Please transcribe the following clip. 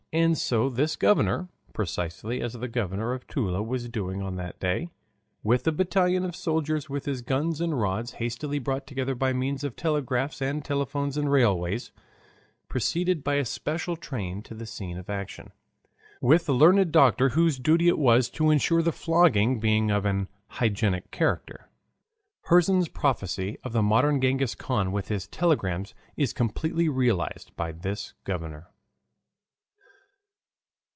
And so this governor precisely as the governor of Toula was doing on that day with a battalion of soldiers with guns and rods, hastily brought together by means of telegraphs and telephones and railways, proceeded by a special train to the scene of action, with a learned doctor whose duty it was to insure the flogging being of an hygienic character. Herzen's prophecy of the modern Ghenghis Khan with his telegrams is completely realized by this governor.